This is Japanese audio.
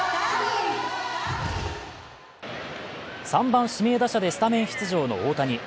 ３番・指名打者でスタメン出場の大谷。